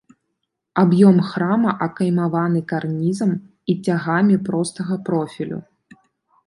Аб'ём храма акаймаваны карнізам і цягамі простага профілю.